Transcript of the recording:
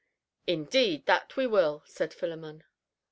"Indeed, that we will," said Philemon.